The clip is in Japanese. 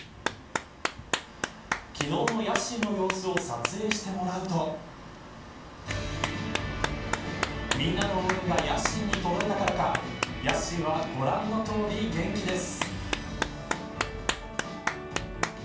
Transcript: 昨日のヤッシーの様子を撮影してもらうとみんなの応援がヤッシーに届いたからかヤッシーはご覧のとおり元気です。